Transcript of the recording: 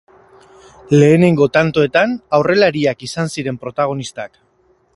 Lehenengo tantoetan aurrelariak izan ziren protagonistak.